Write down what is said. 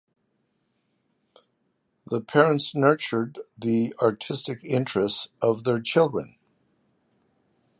The parents nurtured the artistic interests of their children.